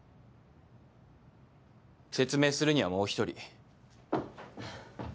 説明するにはもう一人。